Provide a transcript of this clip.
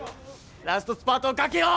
ラストスパートかけよう！